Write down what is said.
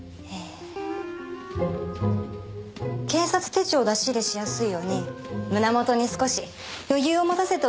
警察手帳を出し入れしやすいように胸元に少し余裕を持たせておきます。